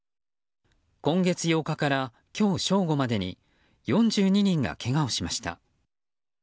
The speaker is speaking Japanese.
今月８日から今日正午までに４２人がけがをしました。